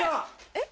えっ！